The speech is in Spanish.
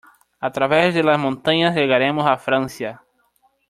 A través de las montañas llegaremos a Francia.